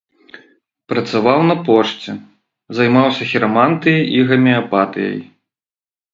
Працаваў на пошце, займаўся хірамантыяй і гамеапатыяй.